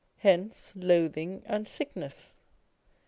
Hence loathing and sickness.